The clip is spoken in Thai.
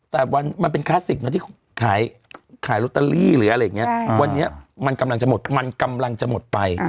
แต่มันเป็นคลาสสิกนะที่ขายลอตเตอรี่หรืออะไรอย่างนี้วันนี้มันกำลังจะหมดมันกำลังจะหมดไป